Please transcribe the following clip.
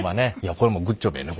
これもグッジョブやね。